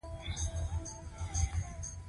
تیرې کړي دي.